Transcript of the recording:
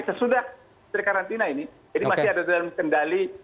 sesudah karantina ini jadi masih ada dalam kendali